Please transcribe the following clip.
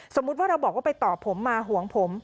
สมมุติว่าเราบอกว่าไปต่อผมมาห่วงผม